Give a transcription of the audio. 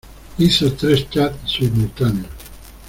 ¡Hizo tres chats simultáneos!